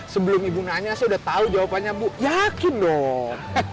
sebelum ibu nanya saya udah tahu jawabannya bu yakin dong